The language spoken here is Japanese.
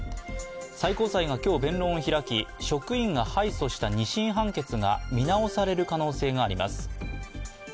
最高裁が今日、弁論を開き、職員が敗訴した２審判決が見直される可能性があります。